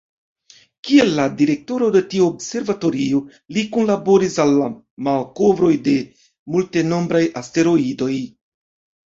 Kiel la direktoro de tiu observatorio, li kunlaboris al la malkovroj de multenombraj asteroidoj.